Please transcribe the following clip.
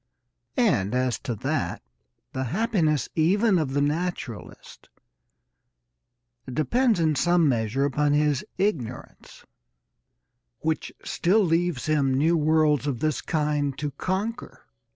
And, as to that, the happiness even of the naturalist depends in some measure upon his ignorance, which still leaves him new worlds of this kind to conquer.